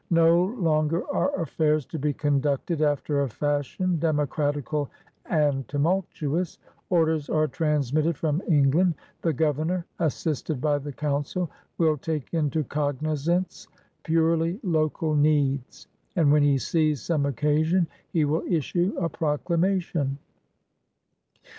No longer are affairs to be conducted after a fashion ^Memocratical and tumultuous. " Orders are transmitted from Eng land; the Governor, assisted by the Council, will take into cognizance purely local needs; and when he sees some occasion he will issue a proclamation.